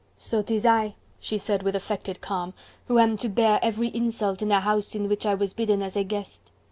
"So 'tis I," she said with affected calm, "who am to bear every insult in a house in which I was bidden as a guest.